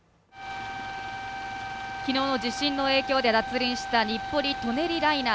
昨日の地震の影響で脱輪した日暮里舎人ライナー